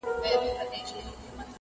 جهاني سجدې به یو سم د پلرونو ترمحرابه!.